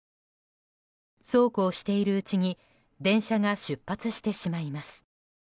そうこうしているうちに電車が出発してしまいます。